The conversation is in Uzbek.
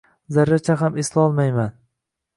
Zarracha ham eslolmayman.